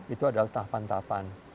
itu adalah tahapan tahapan